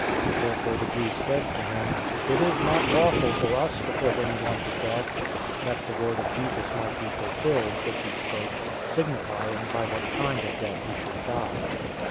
Therefore the Jews said to him, "It is not lawful for us to put anyone to death," 018:032 that the word of Jesus might be fulfilled, which he spoke, signifying by what kind of death he should die.